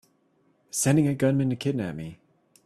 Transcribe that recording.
Sending a gunman to kidnap me!